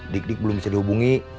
dik dik belum bisa dihubungi